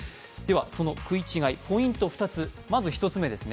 その食い違い、ポイントは２つ、まず１つ目です。